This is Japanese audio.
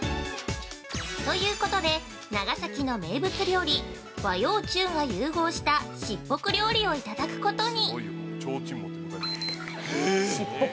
◆ということで長崎の名物料理和洋中が融合した卓袱料理をいただくことに。